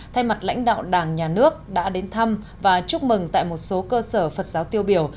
thay mặt lãnh đạo đảng nhà nước đã đến thăm và chúc mừng tại một số cơ sở phật giáo tiêu biểu